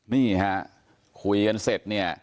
นี่ฮะคุยกันเสร็จเนี่ย